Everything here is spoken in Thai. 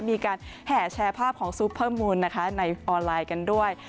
มีการแห่แชร์ภาพของซูปเพิ่มมูลนะคะในออนไลน์กันด้วย